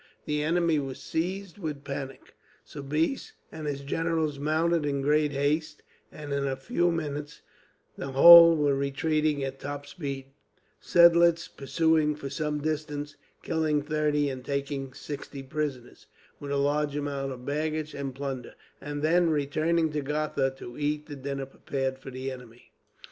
The enemy were seized with panic. Soubise and his generals mounted in great haste, and in a few minutes the whole were retreating at top speed; Seidlitz pursuing for some distance, killing thirty and taking sixty prisoners, with a large amount of baggage and plunder, and then returning to Gotha to eat the dinner prepared for the enemy.